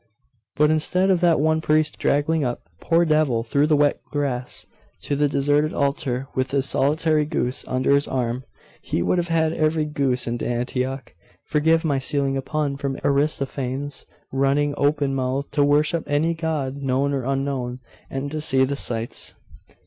'But instead of that one priest draggling up, poor devil, through the wet grass to the deserted altar with his solitary goose under his arm, he would have had every goose in Antioch forgive my stealing a pun from Aristophanes running open mouthed to worship any god known or unknown and to see the sights.